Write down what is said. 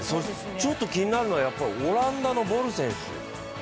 ちょっと気になるのはオランダのボル選手。